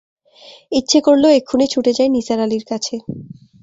ইচ্ছে করল এক্ষুণি ছুটে যাই নিসার আলির কাছে।